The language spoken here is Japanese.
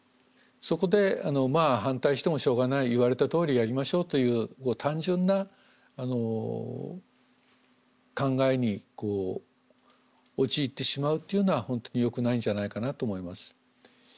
そこでまあ反対してもしょうがない言われたとおりやりましょうという単純な考えにこう陥ってしまうっていうのは本当によくないんじゃないかなと思います。